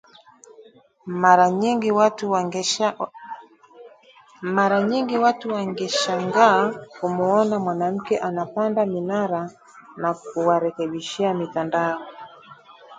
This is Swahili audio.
Mara nyingi watu wangeshangaa kumuona mwanamke anapanda minara na kuwarekebishia mitandao.